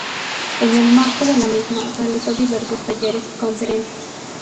En el marco de la misma, realizó diversos talleres y conferencias.